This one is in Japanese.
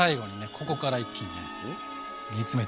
ここから一気にね煮詰めていく！